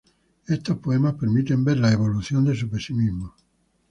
Estos poemas permiten ver la evolución de su pesimismo.